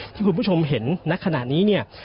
ที่คุณผู้ชมเห็นณขณะนี้เนี่ย